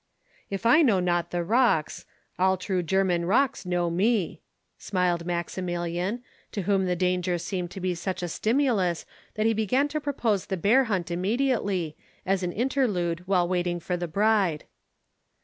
"If I know not the rocks, all true German rocks know me," smiled Maximilian, to whom the danger seemed to be such a stimulus that he began to propose the bear hunt immediately, as an interlude while waiting for the bride.